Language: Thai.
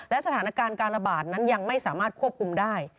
และสถานการณ์การระบาดนั้นยังไม่สามารถควบคุมได้